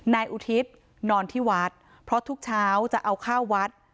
นายอุทิศนอนที่วัดเพราะทุกเช้าจะเอาข้าววัด